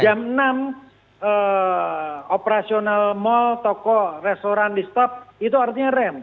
jam enam operasional mall toko restoran di stop itu artinya rem